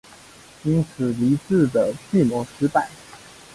因此黎质的计谋失败。